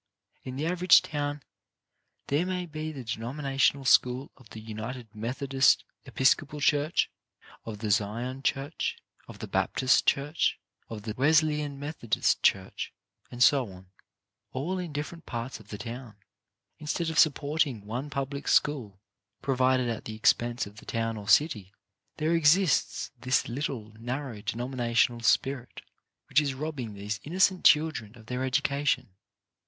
In the average town there may be the denomina tional school of the African Methodist Episcopal church, of the Zion church, of the Baptist church, of the Wesleyan Methodist church, and so on, all in different parts of the town. Instead of support ing one public school, provided at the expense of the town or city, there exists this little, narrow denominational spirit, which is robbing these 68 CHARACTER BUILDING innocent children of their education.